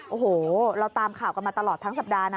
โอ้โหเราตามข่าวกันมาตลอดทั้งสัปดาห์นะ